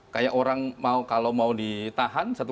kayak orang mau kalau mau ditahan